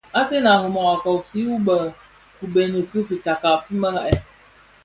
Asen a Rimoh a koosi yü bi kibeňi ki fitsakka fi merad.